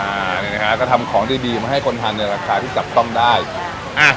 อันนี้นะฮะก็ทำของดีดีมาให้คนทานในราคาที่จับต้องได้อ่ะ